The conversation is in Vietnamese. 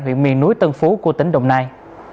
huyện miền núi tân phú của tỉnh đồng nai